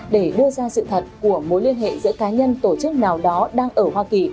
để đưa ra sự thật của mối liên hệ giữa cá nhân tổ chức nào đó đang ở hoa kỳ